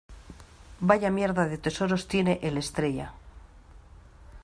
vaya mierda de tesoros tiene el Estrella.